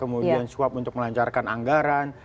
kemudian suap untuk melancarkan anggaran